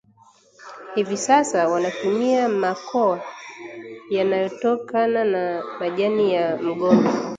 Hivi sasa wanatumia makowa yanayotokana na majani ya mgomba